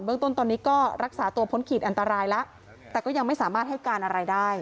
เรื่องต้นตอนนี้ก็รักษาตัวพ้นขีดอันตรายแล้วแต่ก็ยังไม่สามารถให้การอะไรได้